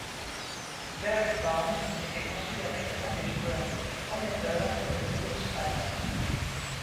Berrick Barnes était considéré comme un des joueurs les plus prometteurs du rugby australien.